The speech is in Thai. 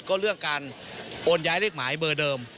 ก็เลือกการโอนย้ายเลขหมายเบอร์เดิม